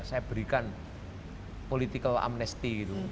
saya berikan political amnesty gitu